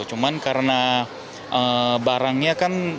cuman karena barangnya kan